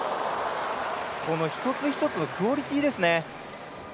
この一つ一つのクオリティーですね。